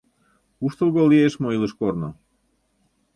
Куштылго лиеш мо илыш корно?